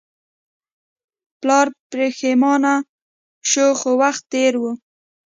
پلار پښیمانه شو خو وخت تیر و.